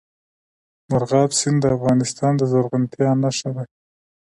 مورغاب سیند د افغانستان د زرغونتیا نښه ده.